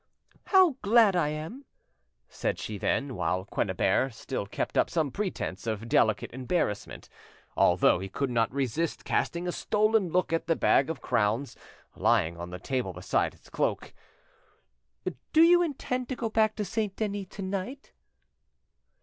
"How glad I am!" said she then, while Quennebert still kept up some pretence of delicate embarrassment, although he could not resist casting a stolen look at the bag of crowns lying on the table beside his cloak. "Do you intend to go back to Saint Denis to night?"